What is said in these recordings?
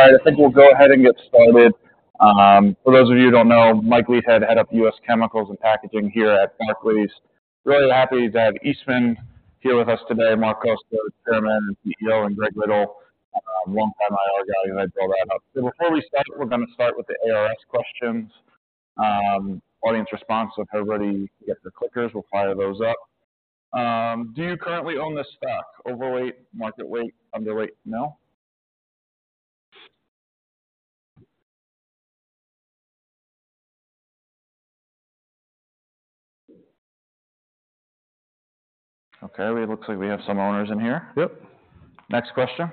All right. I think we'll go ahead and get started. For those of you who don't know, Mike Leithead, Head of U.S. Chemicals and Packaging here at Barclays. Really happy to have Eastman here with us today, Mark Costa, chairman and CEO, and Greg Riddle. Long-time IR guy who had brought that up. So before we start, we're gonna start with the ARS questions. Audience response. If everybody gets their clickers, we'll fire those up. Do you currently own this stock? Overweight, market weight, underweight? No? Okay. It looks like we have some owners in here. Yep. Next question.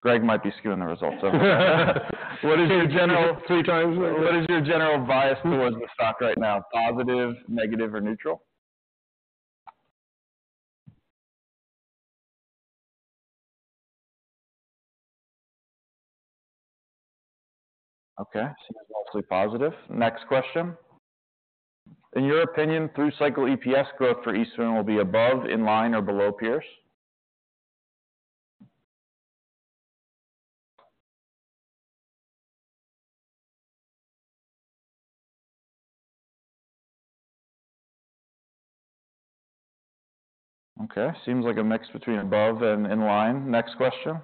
Greg might be skewing the results over. What is your general. 3x. What is your general bias towards the stock right now? Positive, negative, or neutral? Okay. Seems mostly positive. Next question. In your opinion, through-cycle EPS growth for Eastman will be above, in line, or below peers? Okay. Seems like a mix between above and in line. Next question.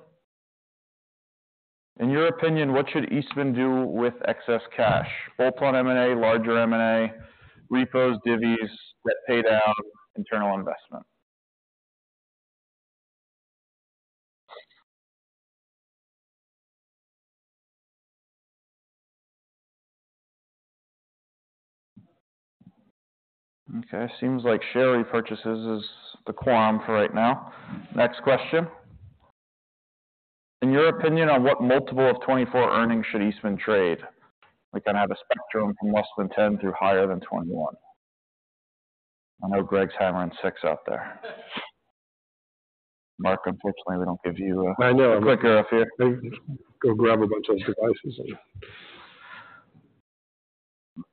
In your opinion, what should Eastman do with excess cash? Full-plant M&A, larger M&A, repos, divvys, debt paydown, internal investment? Okay. Seems like share repurchases is the quorum for right now. Next question. In your opinion, on what multiple of 2024 earnings should Eastman trade? We kinda have a spectrum from less than 10 through higher than 21. I know Greg's hammering six out there. Mark, unfortunately, we don't give you, I know. A clicker up here. I go grab a bunch of his devices and.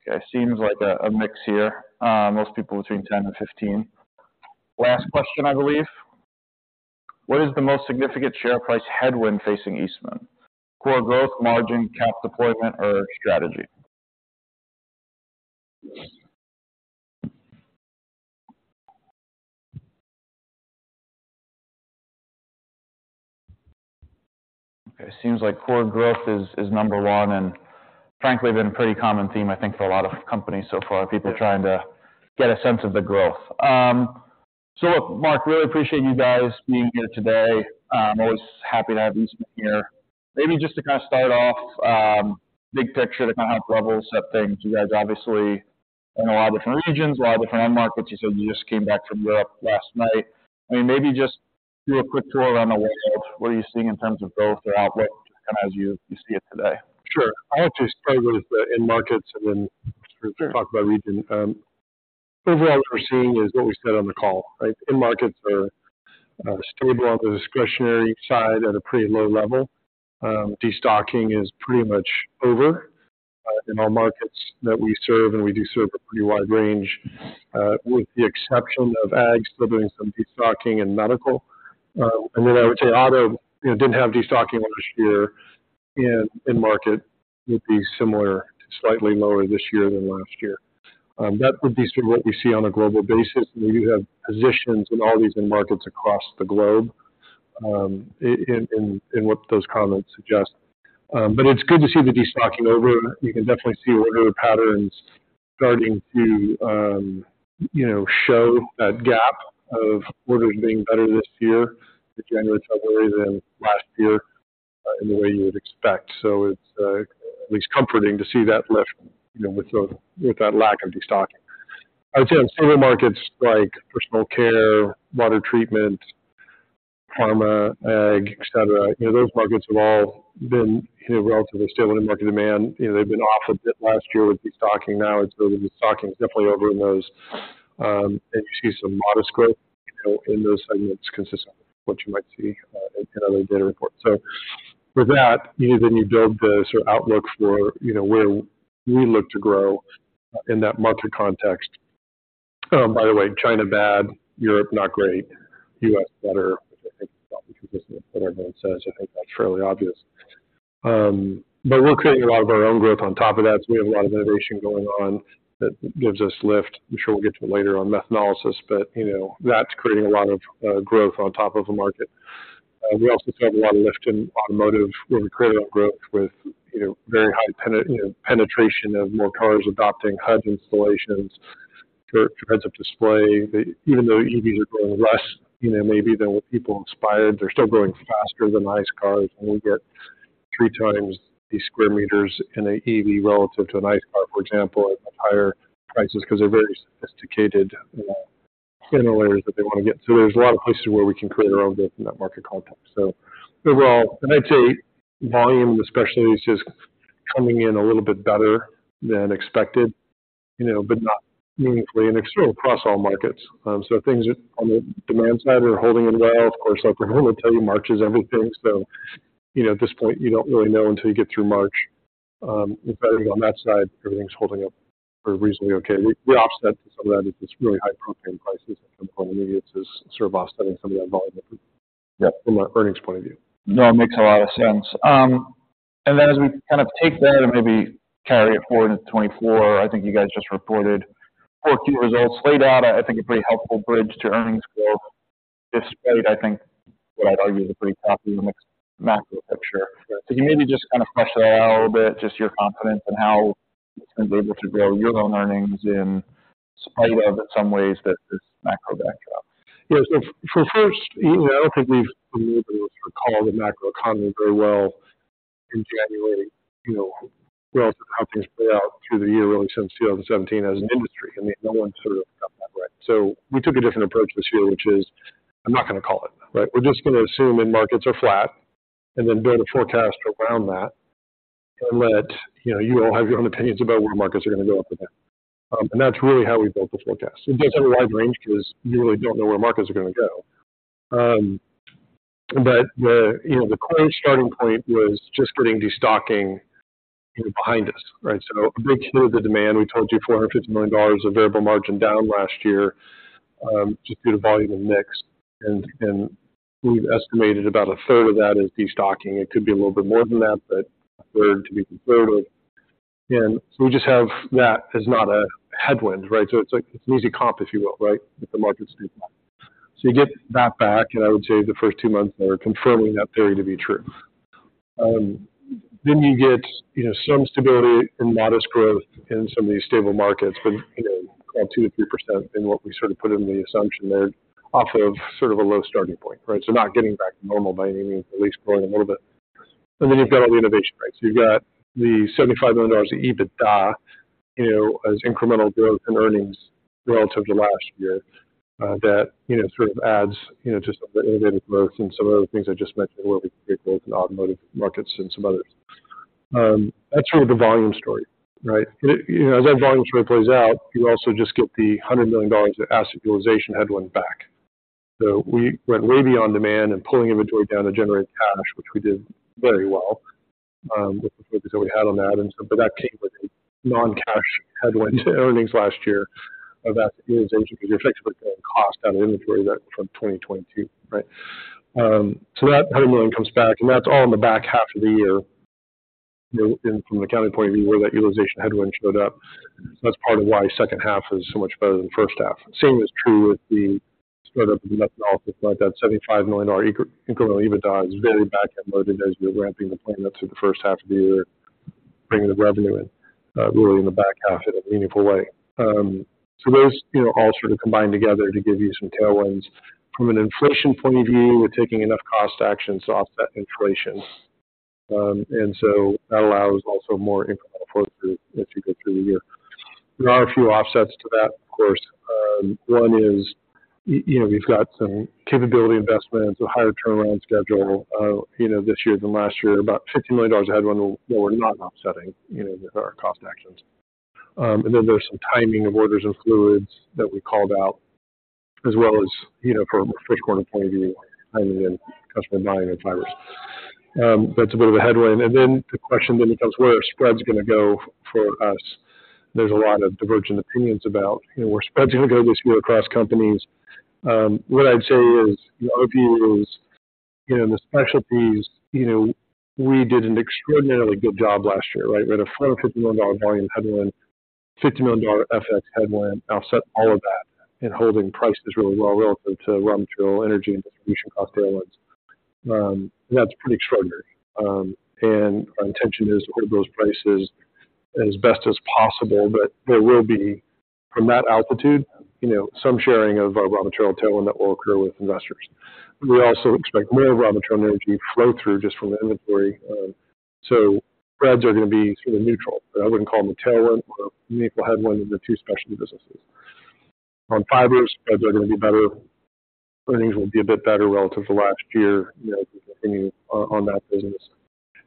Okay. Seems like a mix here. Most people between 10 and 15. Last question, I believe. What is the most significant share price headwind facing Eastman? Core growth, margin, cap deployment, or strategy? Okay. Seems like core growth is number one and frankly been a pretty common theme, I think, for a lot of companies so far. People trying to get a sense of the growth. So look, Mark, really appreciate you guys being here today. Always happy to have Eastman here. Maybe just to kinda start off, big picture to kinda help level set things. You guys obviously in a lot of different regions, a lot of different end markets. You said you just came back from Europe last night. I mean, maybe just do a quick tour around the world. What are you seeing in terms of growth or outlook kinda as you see it today? Sure. I'll actually start with the end markets and then sort of talk about region. Overall what we're seeing is what we said on the call, right? End markets are stable on the discretionary side at a pretty low level. Destocking is pretty much over, in all markets that we serve and we do serve a pretty wide range, with the exception of ag still doing some destocking and medical. And then I would say auto, you know, didn't have destocking last year. And end market would be similar to slightly lower this year than last year. That would be sort of what we see on a global basis. And we do have positions in all these end markets across the globe, in what those comments suggest. But it's good to see the destocking over. You can definitely see order patterns starting to, you know, show that gap of orders being better this year in January/February than last year, in the way you would expect. So it's at least comforting to see that lift, you know, with the with that lack of destocking. I would say on stable markets like personal care, water treatment, pharma, ag, etc., you know, those markets have all been, you know, relatively stable in market demand. You know, they've been off a bit last year with destocking. Now it's over. Destocking's definitely over in those. You see some modest growth, you know, in those segments consistent with what you might see in other data reports. So with that, you know, then you build the sort of outlook for, you know, where we look to grow, in that market context. By the way, China bad, Europe not great, U.S. better, which I think is probably consistent with what everyone says. I think that's fairly obvious. But we're creating a lot of our own growth on top of that. So we have a lot of innovation going on that gives us lift. I'm sure we'll get to it later on methanolysis. But, you know, that's creating a lot of growth on top of the market. We also saw a lot of lift in automotive where we created our own growth with, you know, very high penetration of more cars adopting HUD installations for heads-up display. Even though EVs are growing less, you know, maybe than what people inspired, they're still growing faster than ICE cars. And we get three times the square meters in an EV relative to an ICE car, for example, at much higher prices 'cause they're very sophisticated interlayers that they wanna get. So there's a lot of places where we can create our own growth in that market context. So overall, and I'd say volume and specialties is coming in a little bit better than expected, you know, but not meaningfully. And it's sort of across all markets. So things on the demand side are holding in well. Of course, like we're gonna tell you, March is everything. So, you know, at this point, you don't really know until you get through March. Exciting on that side, everything's holding up reasonably okay. The offset to some of that is this really high propane prices that come up on intermediates is sort of offsetting some of that volume effort. Yep. From an earnings point of view. No, it makes a lot of sense. Then as we kind of take that and maybe carry it forward into 2024, I think you guys just reported Q4 results laid out. I think a pretty helpful bridge to earnings growth despite, I think, what I'd argue is a pretty choppy or mixed macro picture. Right. Can you maybe just kinda flesh that out a little bit? Just your confidence in how Eastman's able to grow your own earnings in spite of, in some ways, that this macro backdrop? Yeah. So for first, you know, I don't think we've made the most of a call of the macro economy very well in January, you know, relative to how things play out through the year really since 2017 as an industry. I mean, no one's sort of got that right. So we took a different approach this year, which is I'm not gonna call it, right? We're just gonna assume end markets are flat and then build a forecast around that and let, you know, you all have your own opinions about where markets are gonna go up or down. And that's really how we built the forecast. It does have a wide range 'cause you really don't know where markets are gonna go. But the, you know, the core starting point was just getting destocking, you know, behind us, right? So a big hit of the demand, we told you, $450 million of variable margin down last year, just due to volume and mix. And we've estimated about a third of that is destocking. It could be a little bit more than that, but a third to be conservative. And so we just have that as not a headwind, right? So it's like it's an easy comp, if you will, right, if the markets stay flat. So you get that back. And I would say the first two months are confirming that theory to be true. Then you get, you know, some stability and modest growth in some of these stable markets. But, you know, you call it 2%-3% in what we sort of put in the assumption there off of sort of a low starting point, right? So not getting back to normal by any means, at least growing a little bit. And then you've got all the innovation, right? So you've got the $75 million EBITDA, you know, as incremental growth and earnings relative to last year, that, you know, sort of adds, you know, to some of the innovative growth and some of the things I just mentioned where we create growth in automotive markets and some others. That's sort of the volume story, right? And it, you know, as that volume story plays out, you also just get the $100 million of asset utilization headwind back. So we went way beyond demand and pulling inventory down to generate cash, which we did very well, with the focus that we had on that. But that came with a non-cash headwind to earnings last year of asset utilization 'cause you're effectively paying cost out of inventory that from 2022, right? So that $100 million comes back. And that's all in the back half of the year, you know, in from the accounting point of view where that utilization headwind showed up. So that's part of why second half is so much better than first half. Same is true with the startup of the methanolysis plant. That $75 million incremental EBITDA is very back-end loaded as you're ramping the plant up through the first half of the year, bringing the revenue in, really in the back half in a meaningful way. So those, you know, all sort of combined together to give you some tailwinds. From an inflation point of view, we're taking enough cost actions to offset inflation. And so that allows also more incremental flow through as you go through the year. There are a few offsets to that, of course. One is, you know, we've got some capability investments, a higher turnaround schedule, you know, this year than last year. About $50 million of headwind that we're not offsetting, you know, with our cost actions. And then there's some timing of orders and fluids that we called out as well as, you know, from a first-quarter point of view, timing and customer buying and fibers. That's a bit of a headwind. And then the question then becomes, where are spreads gonna go for us? There's a lot of divergent opinions about, you know, where spreads are gonna go this year across companies. What I'd say is, you know, our view is, you know, in the specialties, you know, we did an extraordinarily good job last year, right? We had a $450 million volume headwind, $50 million FX headwind offset all of that in holding prices really well relative to raw material, energy, and distribution cost tailwinds. That's pretty extraordinary. Our intention is to hold those prices as best as possible. But there will be, from that altitude, you know, some sharing of, raw material tailwind that will occur with investors. We also expect more raw material and energy flow through just from the inventory. So spreads are gonna be sort of neutral. But I wouldn't call them a tailwind or a meaningful headwind in the two specialty businesses. On fibers, spreads are gonna be better. Earnings will be a bit better relative to last year, you know, if we continue on that business.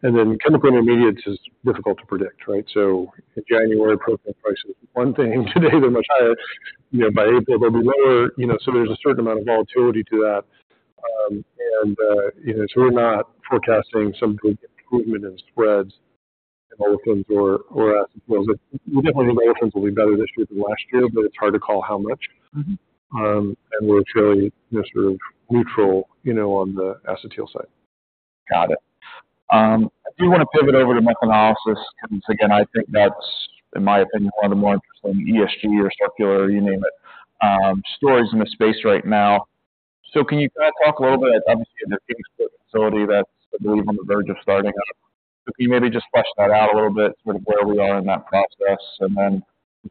And then Chemical Intermediates is difficult to predict, right? So in January, propane price is one thing. Today, they're much higher. You know, by April, they'll be lower. You know, so there's a certain amount of volatility to that. And, you know, so we're not forecasting some big improvement in spreads in olefins or acetyls. We definitely think olefins will be better this year than last year. But it's hard to call how much. Mm-hmm. We're fairly, you know, sort of neutral, you know, on the acetyls side. Got it. I do wanna pivot over to methanolysis 'cause, again, I think that's, in my opinion, one of the more interesting ESG or circular, you name it, stories in the space right now. So can you kinda talk a little bit? Obviously, you have your Kingsport facility that's, I believe, on the verge of starting up. So can you maybe just flesh that out a little bit, sort of where we are in that process? And then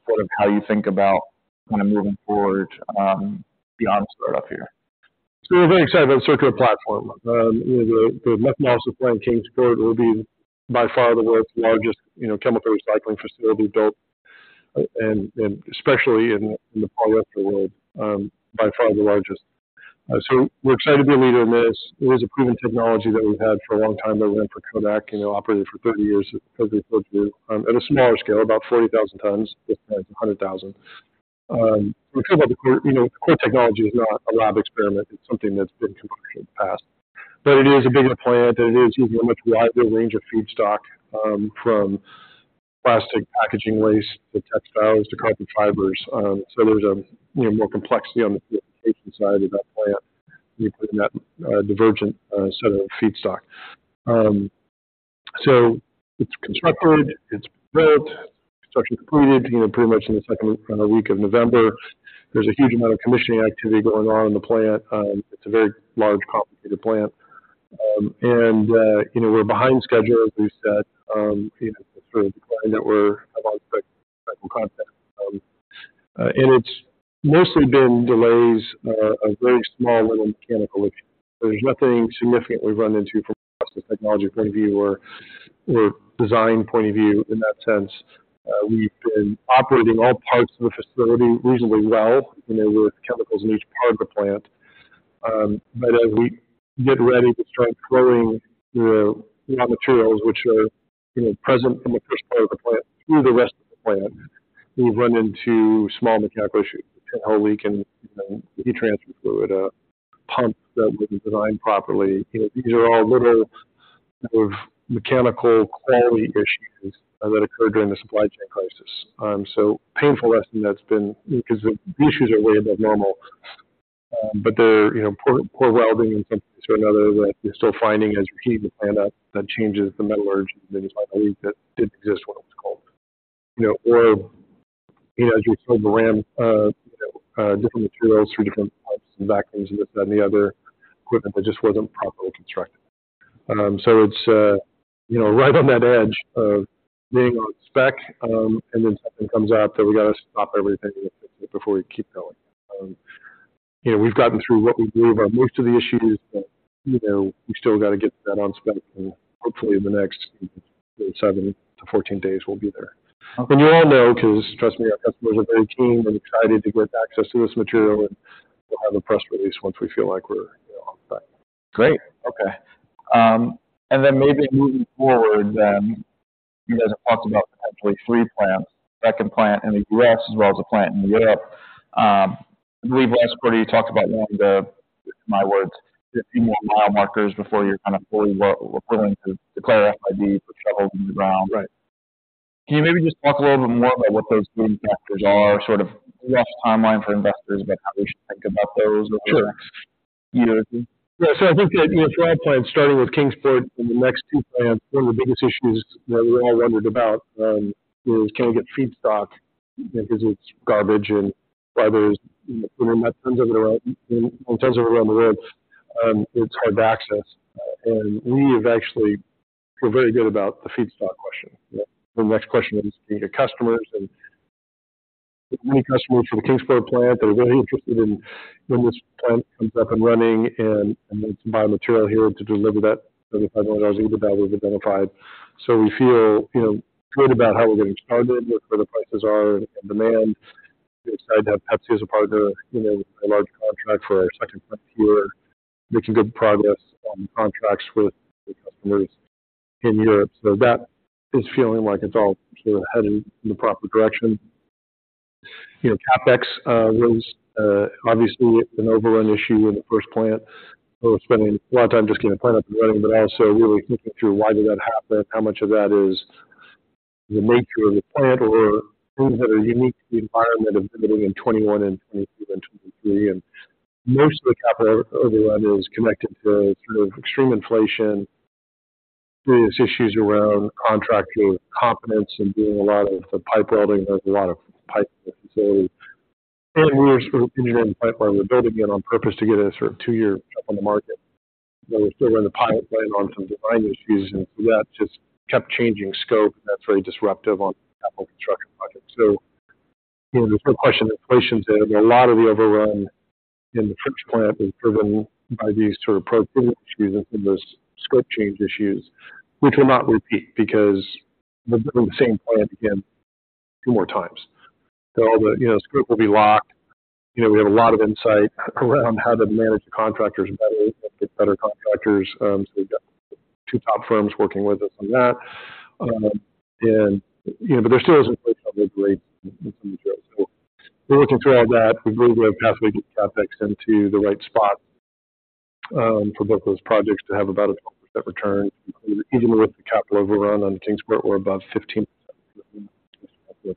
sort of how you think about kinda moving forward, beyond the startup here. So we're very excited about the circular platform. You know, the methanolysis plant in Kingsport will be by far the world's largest, you know, chemical recycling facility built. And especially in the polyester world, by far the largest. So we're excited to be a leader in this. It is a proven technology that we've had for a long time. That ran for Kodak, you know, operated for 30 years at Kodak. At a smaller scale, about 40,000 tons. This plant's 100,000 tons. So we feel about the core you know, the core technology is not a lab experiment. It's something that's been commercial in the past. But it is a bigger plant. And it is using a much wider range of feedstock, from plastic packaging waste to textiles to carbon fibers. So there's, you know, more complexity on the purification side of that plant when you put in that divergent set of feedstock. So it's constructed. It's built. Construction completed, you know, pretty much in the second week of November. There's a huge amount of commissioning activity going on in the plant. It's a very large, complicated plant. And, you know, we're behind schedule, as we said. You know, it's sort of a decline that we're have on the cycle context. And it's mostly been delays of very small little mechanical issues. There's nothing significant we've run into from a process technology point of view or design point of view in that sense. We've been operating all parts of the facility reasonably well, you know, with chemicals in each part of the plant. But as we get ready to start growing, you know, raw materials, which are, you know, present in the first part of the plant through the rest of the plant, we've run into small mechanical issues, the pinhole leak and, you know, the heat transfer fluid, pumps that weren't designed properly. You know, these are all little sort of mechanical quality issues that occurred during the supply chain crisis. So painful lesson that's been you know, 'cause the issues are way above normal. But they're, you know, poor poor welding in some place or another that you're still finding as you're heating the plant up. That changes the metallurgy. And then you find a leak that didn't exist when it was cold, you know? Or, you know, as you're filling the ram, you know, different materials through different types of vacuums and this, that, and the other equipment that just wasn't properly constructed. So it's, you know, right on that edge of being on spec. And then something comes up that we gotta stop everything and fix it before we keep going. You know, we've gotten through what we believe are most of the issues. But, you know, we still gotta get to that on spec. And hopefully, in the next, you know, sort of 7-14 days, we'll be there. Okay. And you all know 'cause, trust me, our customers are very keen and excited to get access to this material. And we'll have a press release once we feel like we're, you know, on spec. Great. Okay. And then maybe moving forward then, you guys have talked about potentially three plants, a second plant in the U.S. as well as a plant in Europe. I believe last quarter, you talked about wanting to, in my words, get a few more mile markers before you're kinda fully with it, we're willing to declare FID for shovels in the ground. Right. Can you maybe just talk a little bit more about what those leading factors are, sort of a rough timeline for investors about how we should think about those over the next? Sure. Years? Yeah. So I think that, you know, for our plant, starting with Kingsport and the next two plants, one of the biggest issues that we all wondered about is can we get feedstock, you know, 'cause it's garbage. And while there's, you know, you know, tons of it around in tons of it around the world, it's hard to access. And we actually feel very good about the feedstock question, you know? The next question is getting to customers. And we have many customers for the Kingsport plant that are really interested in when this plant comes up and running and want some biomaterial here to deliver that $75 million EBITDA we've identified. So we feel, you know, good about how we're getting started, where the prices are and demand. We're excited to have Pepsi as a partner, you know, with a large contract for our second plant here. Making good progress on the contracts with the customers in Europe. So that is feeling like it's all sort of headed in the proper direction. You know, CapEx was, obviously, an overrun issue in the first plant. So we're spending a lot of time just getting the plant up and running. But also really thinking through, why did that happen? How much of that is the nature of the plant or things that are unique to the environment of building in 2021 and 2022 and 2023? And most of the capital overrun is connected to sort of extreme inflation, serious issues around contractor competence and doing a lot of the pipe welding. There's a lot of pipe in the facility. We are sort of engineering the plant where we're building it on purpose to get a sort of two-year jump on the market. But we're still running the pilot plant on some design issues. And so that just kept changing scope. And that's very disruptive on capital construction projects. So, you know, there's no question inflation's there. But a lot of the overrun in the French plant was driven by these sort of productivity issues and some of those scope change issues, which will not repeat because we're building the same plant again a few more times. So all the, you know, scope will be locked. You know, we have a lot of insight around how to manage the contractors better and get better contractors. So we've got two top firms working with us on that. And, you know, but there still is inflation on labor rates and some materials. So we're working through all that. We believe we have a pathway to get CapEx into the right spots, for both of those projects to have about a 12% return. Even with the capital overrun on Kingsport, we're above 15% for the mean market inflation out of the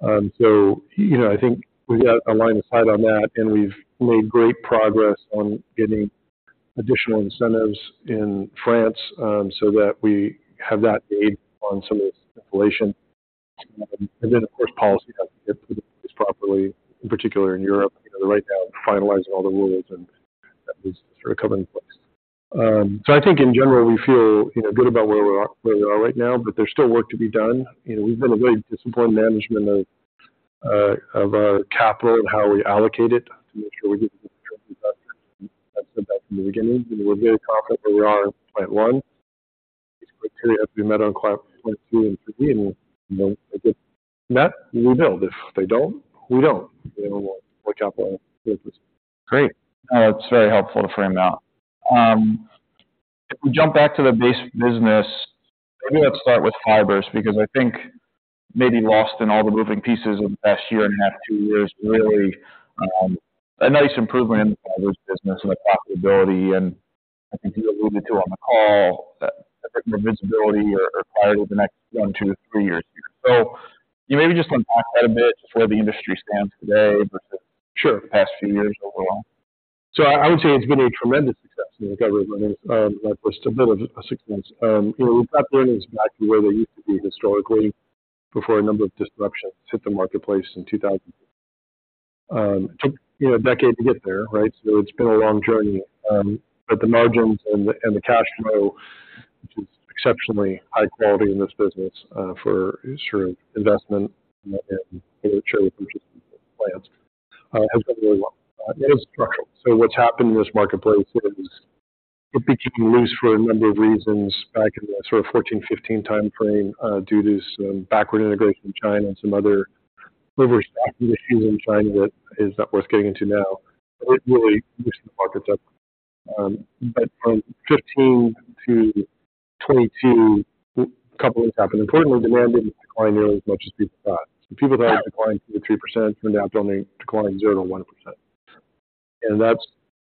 forecast. So, you know, I think we've got a line of sight on that. And we've made great progress on getting additional incentives in France, so that we have that aid on some of this inflation. And then, of course, policy has to get put in place properly, in particular in Europe. You know, they're right now finalizing all the rules. And that needs to sort of come into place. So I think, in general, we feel, you know, good about where we are right now. But there's still work to be done. You know, we've done a very disciplined management of our capital and how we allocate it to make sure we get the good returns for investors. I've said that from the beginning. You know, we're very confident where we are in plant one. These criteria have to be met for plant two and three. You know, if they get met, we build. If they don't, we don't. You know, we'll deploy capital on the fourth plant. Great. No, that's very helpful to frame that. If we jump back to the base business, maybe let's start with fibers because I think maybe lost in all the moving pieces of the past year and a half, two years, really, a nice improvement in the fibers business and the profitability. And I think you alluded to on the call, a bit more visibility or or clarity the next one, two, three years here. So you maybe just unpack that a bit, just where the industry stands today versus. Sure. The past few years overall. So I would say it's been a tremendous success in the recovery runnings, in my first a bit of a six months. You know, we've got the earnings back to where they used to be historically before a number of disruptions hit the marketplace in 2006. It took, you know, a decade to get there, right? So it's been a long journey. But the margins and the and the cash flow, which is exceptionally high quality in this business, for sort of investment and limited with purchasing of plants, has gone really well. It is structural. So what's happened in this marketplace is it became loose for a number of reasons back in the sort of 2014, 2015 time frame, due to some backward integration in China and some other overstaffing issues in China that is not worth getting into now. But it really loosened the markets up. But from 2015 to 2022, with a couple of things happened. Importantly, demand didn't decline nearly as much as people thought. So people thought it'd decline 2% or 3%. Turned out it only declined 0%-1%. And that's,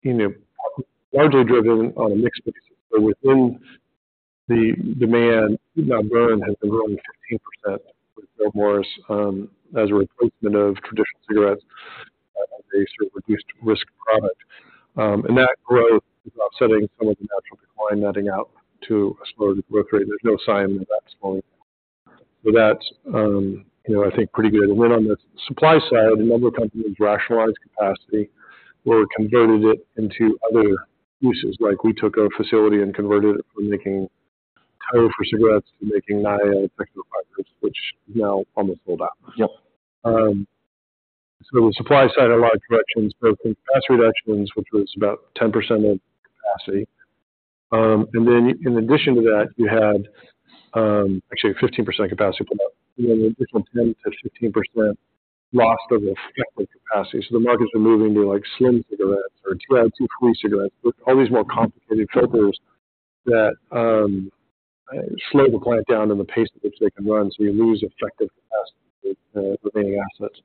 you know, largely driven on a mixed basis. So within the demand, even though burn has been growing 15% with Philip Morris, as a replacement of traditional cigarettes, as a sort of reduced-risk product. And that growth is offsetting some of the natural decline netting out to a slower growth rate. There's no sign that that's slowing down. So that's, you know, I think pretty good. And then on the supply side, a number of companies rationalized capacity or converted it into other uses. Like, we took a facility and converted it from making tow for cigarettes to making Naia, which is now almost sold out. Yep. So the supply side, a lot of corrections, both in capacity reductions, which was about 10% of capacity. And then you in addition to that, you had, actually, a 15% capacity pull-out. And then an additional 10%-15% loss of effective capacity. So the market's been moving to, like, slim cigarettes or TiO2-free cigarettes, all these more complicated filters that slow the plant down in the pace at which they can run. So you lose effective capacity to remaining assets.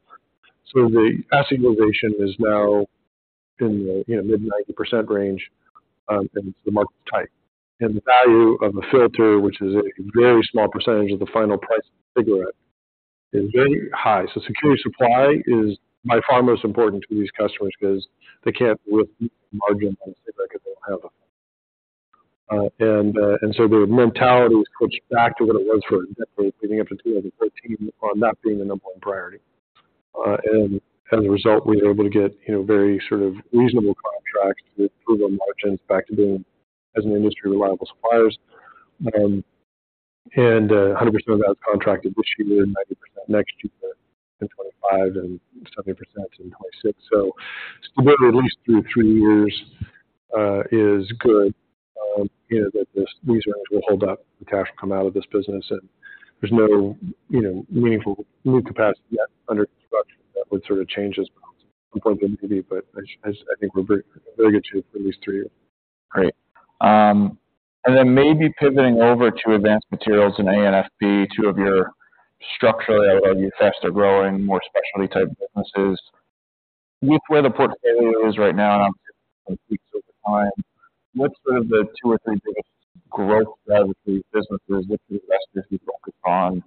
So the asset utilization is now in the, you know, mid-90% range. And so the market's tight. And the value of a filter, which is a very small percentage of the final price of a cigarette, is very high. So secure supply is by far most important to these customers 'cause they can't live with a margin on a cigarette 'cause they don't have a filter. And so their mentality has switched back to what it was for a decade, leading up to 2014, on not being a number one priority. And as a result, we were able to get, you know, very sort of reasonable contracts to improve our margins back to being as an industry reliable suppliers. And, 100% of that is contracted this year, 90% next year in 2025, and 70% in 2026. So stability, at least through three years, is good. You know, that these earnings will hold up. The cash will come out of this business. And there's no, you know, meaningful new capacity yet under construction that would sort of change as well. At some point, there may be. But I think we're very, very good shape for at least three years. Great. And then maybe pivoting over to advanced materials and AFP, two of your structurally, I would argue, faster-growing, more specialty-type businesses. With where the portfolio is right now and obviously over time, what's sort of the two or three biggest growth strategies businesses, which investors you focus on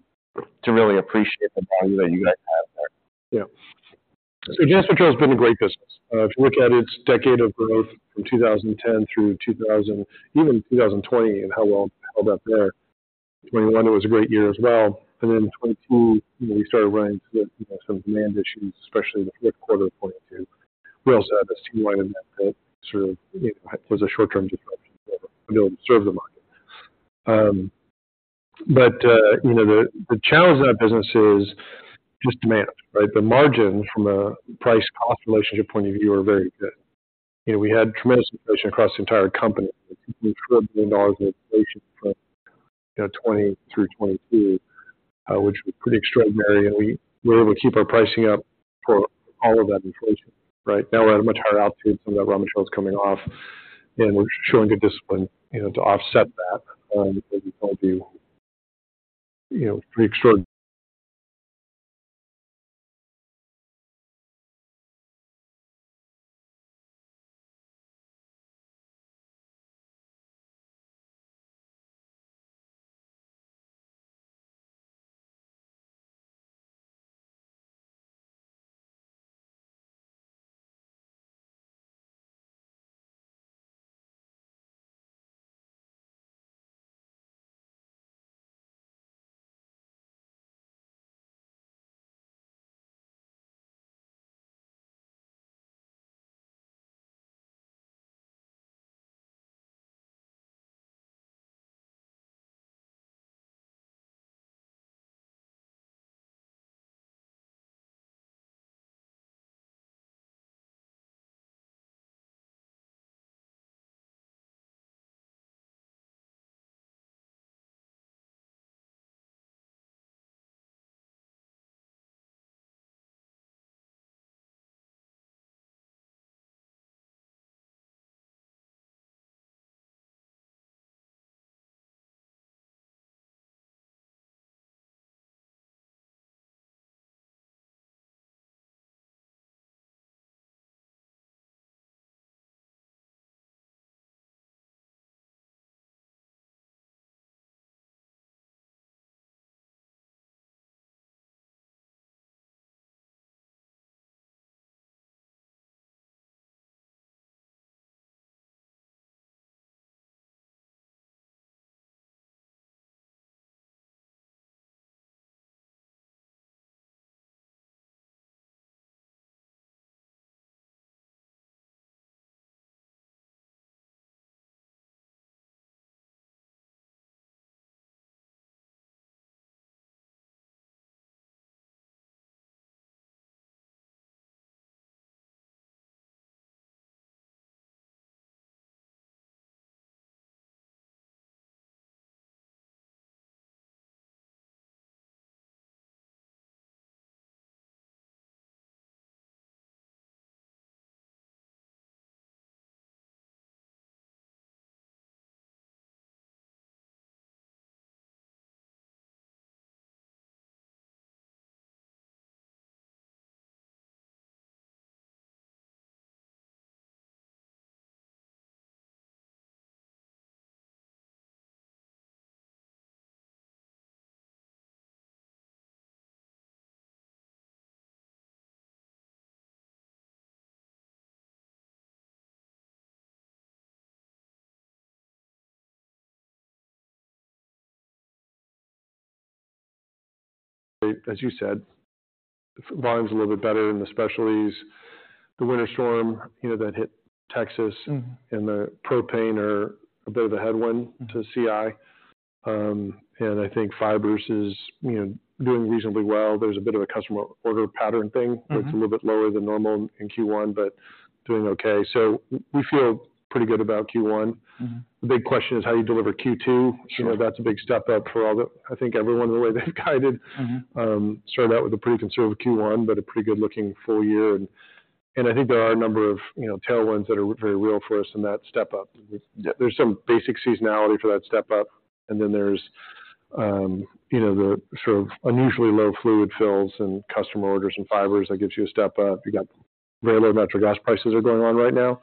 to really appreciate the value that you guys have there? Yeah. So Eastman has been a great business. If you look at its decade of growth from 2010 through 2020, even 2020 and how well it held up there, 2021, it was a great year as well. And then 2022, you know, we started running sort of, you know, some demand issues, especially the Q4 of 2022. We also had this stream line event that sort of, you know, was a short-term disruption to our ability to serve the market. But, you know, the challenge in that business is just demand, right? The margins from a price-cost relationship point of view are very good. You know, we had tremendous inflation across the entire company. It was $14 billion in inflation from, you know, 2020 through 2022, which was pretty extraordinary. And we were able to keep our pricing up for all of that inflation, right? Now we're at a much higher altitude. Some of that raw material's coming off. And we're showing good discipline, you know, to offset that. And we can only do, you know, pretty extraordinary. Great. As you said, volume's a little bit better in the specialties. The winter storm, you know, that hit Texas. Mm-hmm. The propane are a bit of a headwind to CI. And I think fibers is, you know, doing reasonably well. There's a bit of a customer order pattern thing. Mm-hmm. Where it's a little bit lower than normal in Q1 but doing okay. So we feel pretty good about Q1. Mm-hmm. The big question is how you deliver Q2. Sure. You know, that's a big step up for all the I think everyone the way they've guided. Mm-hmm. started out with a pretty conservative Q1 but a pretty good-looking full year. And I think there are a number of, you know, tailwinds that are very real for us in that step up. Yep. There's some basic seasonality for that step up. And then there's, you know, the sort of unusually low fluid fills and customer orders and fibers that gives you a step up. You got very low natural gas prices going on right now.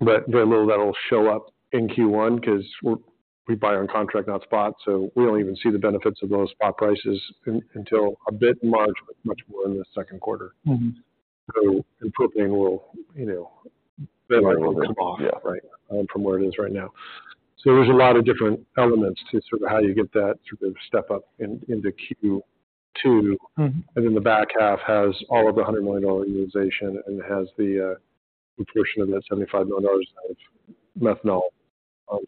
But very little that'll show up in Q1 'cause we buy on contract, not spot. So we don't even see the benefits of those spot prices until a bit in March but much more in the Q2. Mm-hmm. So, and propane will, you know, very likely come off. Very likely. Right, from where it is right now. So there's a lot of different elements to sort of how you get that sort of step up in into Q2. Mm-hmm. And then the back half has all of the $100 million utilization and has the, a portion of that $75 million of methanol.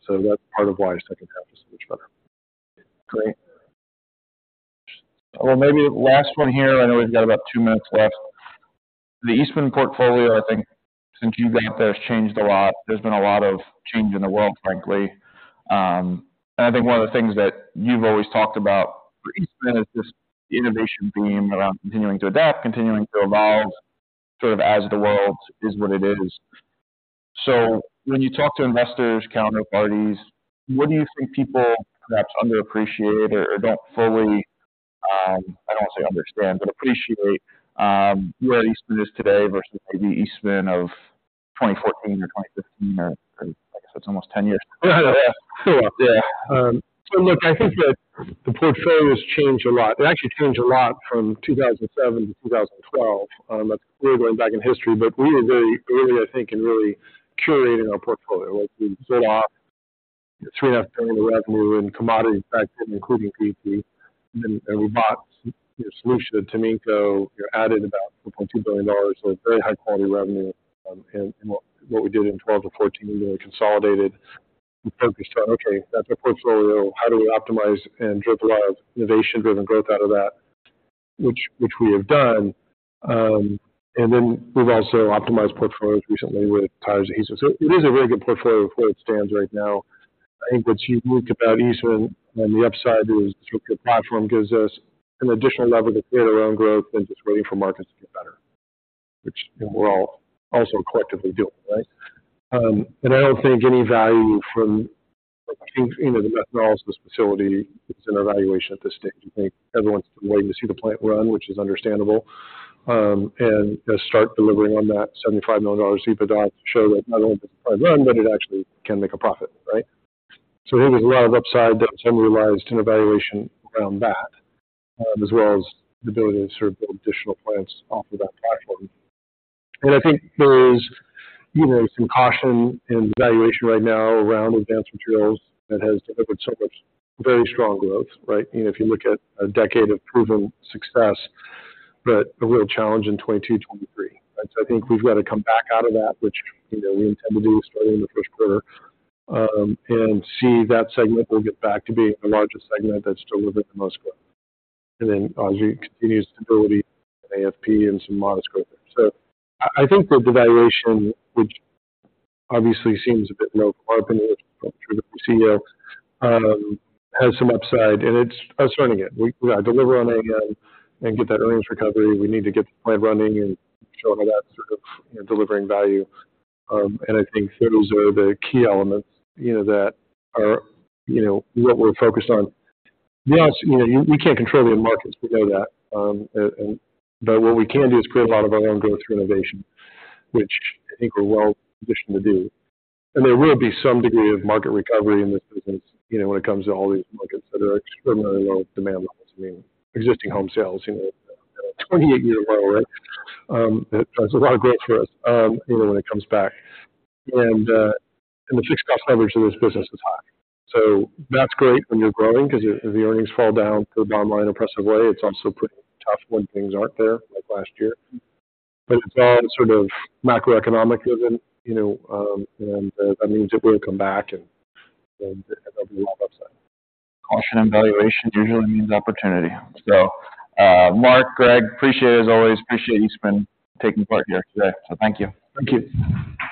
So that's part of why second half is so much better. Great. Well, maybe last one here. I know we've got about two minutes left. The Eastman portfolio, I think, since you got there, has changed a lot. There's been a lot of change in the world, frankly. And I think one of the things that you've always talked about for Eastman is this innovation theme around continuing to adapt, continuing to evolve sort of as the world is what it is. So when you talk to investors, counterparties, what do you think people perhaps underappreciate or, or don't fully, I don't wanna say understand but appreciate, where Eastman is today versus maybe Eastman of 2014 or 2015 or, or, like I said, it's almost 10 years. Yeah. Yeah. Yeah. So look, I think that the portfolio's changed a lot. It actually changed a lot from 2007 to 2012. That's really going back in history. But we were very early, I think, in really curating our portfolio. Like, we sold off $3.5 billion in revenue in commodity factory, including PET. And then, and we bought, you know, Solutia, Taminco, you know, added about $4.2 billion. So very high-quality revenue, in what we did in 2012 to 2014. We really consolidated. We focused on, "Okay. That's our portfolio. How do we optimize and drive a lot of innovation-driven growth out of that?" Which we have done. And then we've also optimized portfolios recently with tires adhesive. So it is a very good portfolio for where it stands right now. I think what's unique about Eastman on the upside is sort of your platform gives us an additional level to create our own growth than just waiting for markets to get better, which, you know, we're all also collectively doing, right? I don't think any value from I think, you know, the methanolysis facility is in our valuation at this stage. I think everyone's still waiting to see the plant run, which is understandable, and, start delivering on that $75 million EBITDA to show that not only does the plant run but it actually can make a profit, right? So there was a lot of upside that was unrealized in our valuation around that, as well as the ability to sort of build additional plants off of that platform. I think there's, you know, some caution in the valuation right now around advanced materials that has delivered so much very strong growth, right? You know, if you look at a decade of proven success but a real challenge in 2022, 2023, right? So I think we've gotta come back out of that, which, you know, we intend to do starting in the Q1, and see that segment will get back to being the largest segment that's delivered the most growth. And then obviously, continued stability in AFP and some modest growth there. So I, I think that the valuation, which obviously seems a bit low from our opinion, which is probably true with the CEO, has some upside. And it's us earning it. We, you know, deliver on AM and get that earnings recovery. We need to get the plant running and show how that's sort of, you know, delivering value. I think those are the key elements, you know, that are, you know, what we're focused on. The others, you know, we can't control the end markets. We know that. But what we can do is create a lot of our own growth through innovation, which I think we're well positioned to do. There will be some degree of market recovery in this business, you know, when it comes to all these markets that are extraordinarily low demand levels. I mean, existing home sales, you know, at a 28-year low, right? That drives a lot of growth for us, you know, when it comes back. The fixed cost leverage of this business is high. So that's great when you're growing 'cause the earnings fall down through the bottom line impressive way. It's also pretty tough when things aren't there like last year. But it's all sort of macroeconomic-driven, you know, and there'll be a lot of upside. Caution in valuation usually means opportunity. Mark, Greg, appreciate it as always. Appreciate Eastman taking part here today. Thank you. Thank you.